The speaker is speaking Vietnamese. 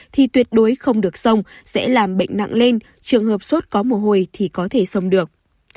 thì tuyệt đối không được sông sẽ làm bệnh nặng lên trường hợp sốt có mồ hôi thì có thể sông được